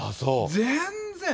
全然。